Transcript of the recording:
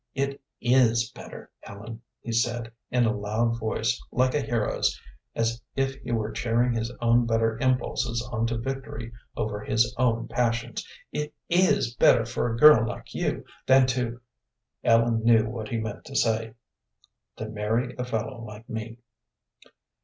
"It is better, Ellen," he said, in a loud voice, like a hero's, as if he were cheering his own better impulses on to victory over his own passions. "It is better for a girl like you, than to " Ellen knew that he meant to say, "to marry a fellow like me."